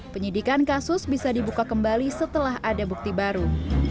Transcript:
penyidikan kasus bisa dibuka kembali setelah ada bukti baru